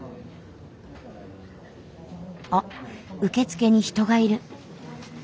あっ受付に人がいる。